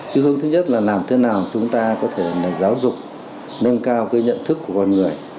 cái hướng thứ nhất là làm thế nào chúng ta có thể là giáo dục nâng cao cái nhận thức của con người